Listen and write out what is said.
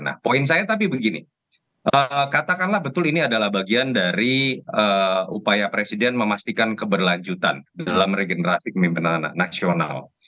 nah poin saya tapi begini katakanlah betul ini adalah bagian dari upaya presiden memastikan keberlanjutan dalam regenerasi kemimpinan nasional